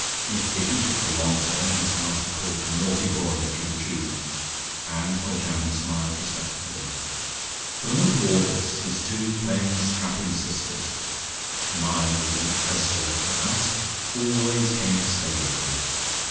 If Dicky took the wrong turn his master called "Naughty boy" through the tube, and Foljambe smiled respectfully. For the month of August, his two plain strapping sisters (Hermione and Ursula alas!) always came to stay with him.